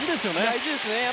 大事ですね。